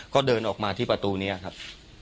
ก็เดินออกมาที่ประตูนี้ครับ